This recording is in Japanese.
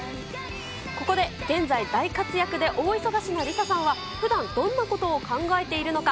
ここで現在、大活躍で大忙しなリサさんは、ふだん、どんなことを考えているのか。